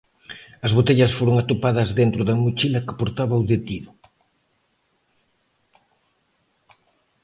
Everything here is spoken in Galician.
As botellas foron atopadas dentro da mochila que portaba o detido.